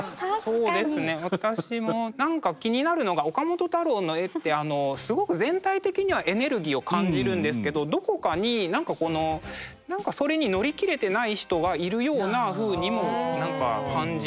そうですね私も何か気になるのが岡本太郎の絵ってすごく全体的にはエネルギーを感じるんですけどどこかに何かそれに乗り切れてない人がいるようなふうにも感じるんですね。